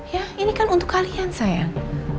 ya ini kan untuk kalian sayang